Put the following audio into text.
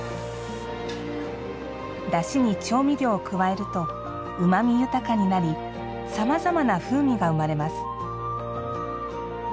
だしに調味料を加えるとうまみ豊かになりさまざまな風味が生まれます。